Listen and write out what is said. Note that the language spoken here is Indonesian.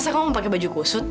sengaja nang apa testament